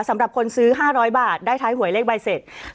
สำหรับคนซื้อ๕๐๐บาทได้ท้ายหวยเลขใบเสร็จ